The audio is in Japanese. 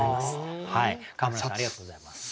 川村さんありがとうございます。